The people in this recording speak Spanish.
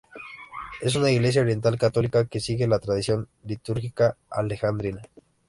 Es una iglesia oriental católica que sigue la tradición litúrgica alejandrina.